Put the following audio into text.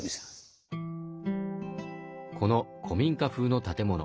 この古民家風の建物。